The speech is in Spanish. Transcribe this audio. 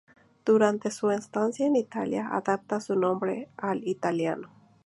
Durante su estancia en Italia adapta su nombre al italiano.